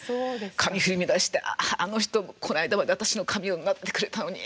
髪振り乱して「あああの人この間まで私の髪をなでてくれたのに！」